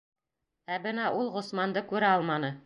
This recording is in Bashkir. Ә бына ул Ғосманды күрә алманы.